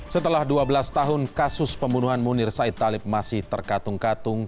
setelah dua belas tahun kasus pembunuhan munir said talib masih terkatung katung